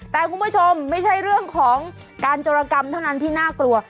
แต่คุณผู้ชมไม่ใช่เรื่องของการจรกรรมเท่านั้นที่น่ากลัว